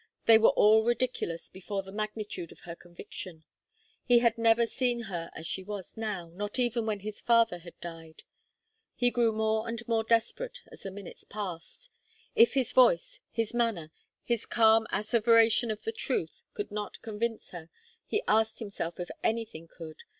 They were all ridiculous before the magnitude of her conviction. He had never seen her as she was now, not even when his father had died. He grew more and more desperate as the minutes passed. If his voice, his manner, his calm asseveration of the truth could not convince her, he asked himself if anything could.